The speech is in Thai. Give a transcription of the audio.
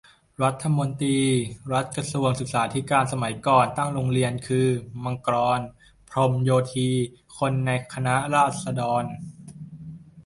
รัฐมนตรีกระทรวงศึกษาธิการสมัยก่อตั้งโรงเรียนคือ มังกร พรหมโยธี คนในคณะราษฎร